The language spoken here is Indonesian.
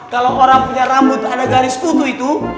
kalau orang punya rambut ada garis kutu itu